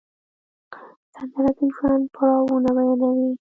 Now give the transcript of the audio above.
سندره د ژوند پړاوونه بیانوي